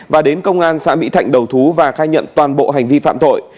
và đến công an xã mỹ thạnh đầu thú và khai nhận toàn bộ hành vi phạm tội